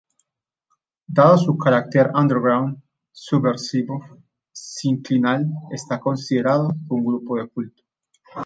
Dado su carácter underground, Subversivo sinclinal está considerado un grupo de culto.